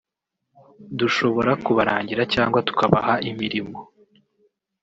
Dushobora kubarangira cyangwa tukabaha imirimo